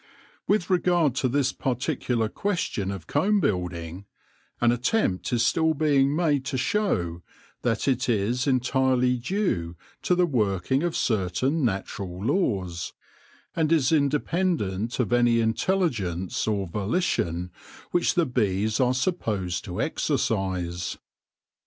With regard to this particular question of comb building, an attempt is still being made to show that it is entirely due to the working of certain natural laws, and is independent of any intelligence or volition which the bees are supposed to exercise.